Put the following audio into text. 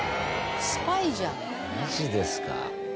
マジですか？